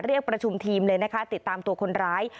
เรียกประชุมทีมเลยนะคะติดตามตัวคนร้าย